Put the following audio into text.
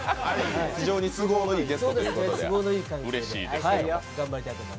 非常に都合のいいゲストです、うれしいです。